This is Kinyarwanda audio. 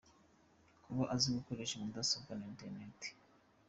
Kuba azi gukoresha mudasobwa na internet .